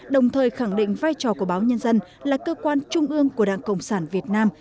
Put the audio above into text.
đồng thời khẳng định vai trò của báo nhân dân là cơ quan trung ương của đảng cộng sản việt nam